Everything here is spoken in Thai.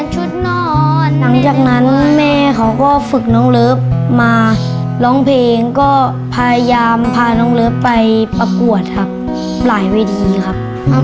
น่อหลังจากนั้นแม่เขาก็ฝึกน้องเลิฟมาร้องเพลงก็พยายามพาน้องเลิฟไปประกวดครับหลายเวทีครับ